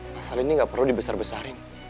pasal ini nggak perlu dibesar besarin